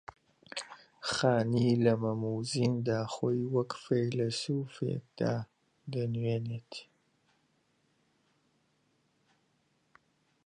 خانی لە مەم و زیندا خۆی وەک فەیلەسووفێکدا دەنووێنێت